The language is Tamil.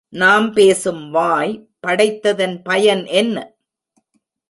நாம் பேசும் வாய் படைத்ததன் பயன் என்ன?